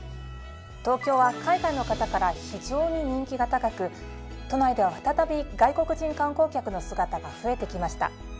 東京は海外の方から非常に人気が高く都内では再び外国人観光客の姿が増えてきました。